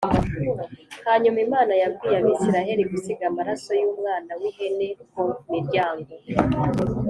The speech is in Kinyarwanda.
Hanyuma Imana yabwiye Abisirayeli gusiga amaraso y’umwana w’ihene ku miryango